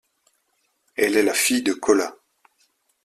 Elle est la fille de Colla.